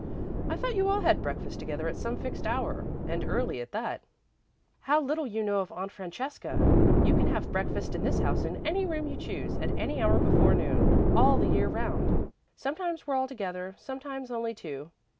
"I thought you all had breakfast together at some fixed hour, and early at that." "How little you know Aunt Francesca! You can have breakfast in this house in any room you choose, at any hour before noon, all the year round. Sometimes we're all together, sometimes only two.